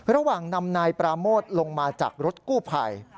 ระหว่างนำนายปราโมทลงมาจากรถกู้ภัย